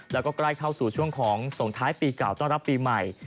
แล้วก็ใกล้เข้าสู่ช่วงของส่งท้ายปีเก่าต้อนรับปีใหม่